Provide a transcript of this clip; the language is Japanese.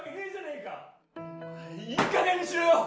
いいかげんにしろ！